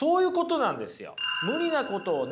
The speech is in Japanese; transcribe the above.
無理なことをね